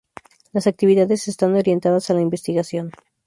Las actividades están orientadas a la investigación.